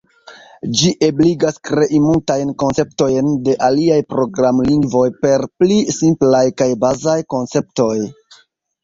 Ĝi ebligas krei multajn konceptojn de aliaj programlingvoj per pli simplaj kaj bazaj konceptoj.